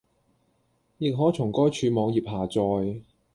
亦可從該處網頁下載